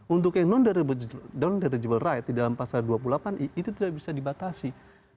untuk yang non deligible right di dalam pasal dua puluh delapan i itu tidak bisa dibatasi